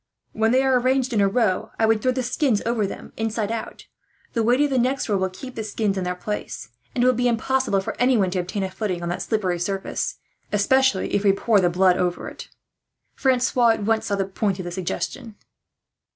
"When they are arranged in a row, I would throw the skins over them again, inside out. The weight of the next row will keep the skins in their places, and it will be impossible for anyone to obtain a footing on that slippery surface, especially if we pour some blood over it." Francois at once saw the point of the suggestion.